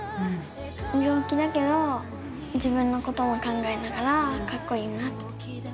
病気だけど、自分のことも考えながら、かっこいいなと。